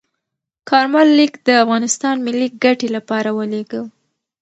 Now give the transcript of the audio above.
کارمل لیک د افغانستان ملي ګټې لپاره ولیږه.